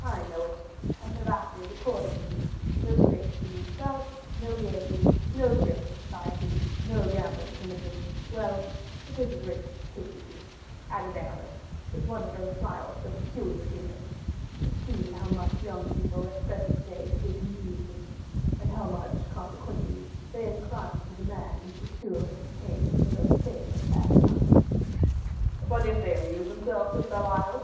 "I know it, and have acted accordingly; no space to move about, no gayety, no cheerful society, no gambling permitted: well, it is a great pity," added Aramis, with one of those smiles so peculiar to him, "to see how much young people at the present day seek amusement, and how much, consequently, they incline to the man who procures and pays for their favorite pastimes." "But if they amuse themselves at Bell Isle?"